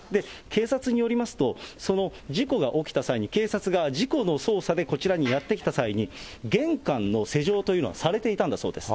警察によりますと、その事故が起きた際に、警察が事故の捜査でこちらにやって来た際に、玄関の施錠というのはされていたんだそうです。